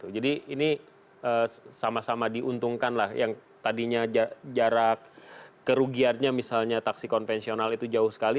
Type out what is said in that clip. jadi ini sama sama diuntungkan lah yang tadinya jarak kerugiannya misalnya taksi konvensional itu jauh sekali